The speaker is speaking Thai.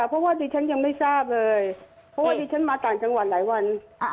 เพราะว่าดิฉันยังไม่ทราบเลยเพราะว่าดิฉันมาต่างจังหวัดหลายวัน